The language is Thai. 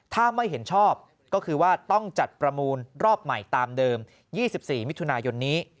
ถ้าไม่เห็นชอบก็คือว่าต้องจัดประมูลรอบใหม่ตามเดิม๒๔มิถุนายนนี้